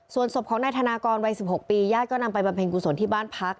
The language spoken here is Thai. ส่วนศพของนายธนากรวัย๑๖ปีญาติก็นำไปบำเพ็ญกุศลที่บ้านพัก